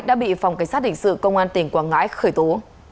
đã bị phòng cảnh sát hình sự công an tỉnh quảng ngãi khởi tố